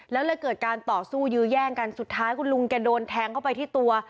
แล้วเลยเกิดการต่อสู้ยื้อแย่งกันสุดท้ายคุณลุงแกโดนแทงเข้าไปที่ตัว